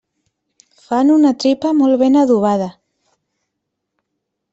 Fan una tripa molt ben adobada.